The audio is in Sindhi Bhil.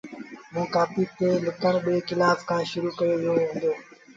موݩ ڪآپيٚ تي لکڻ ٻي ڪلآس کآݩ شرو ڪيو هُݩدو۔